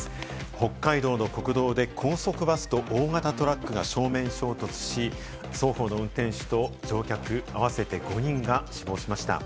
北海道の国道で高速バスと大型トラックが正面衝突し、双方の運転手と乗客合わせて５人が死亡しました。